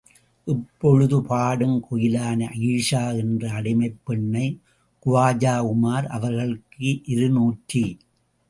இப்பொழுது, பாடும் குயிலான அயீஷா என்ற அடிமைப் பெண்ணை குவாஜா உமார் அவர்களுக்கு இரு நூற்றி.